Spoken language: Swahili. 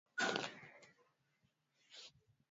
Na kanisa lako, linakufahamu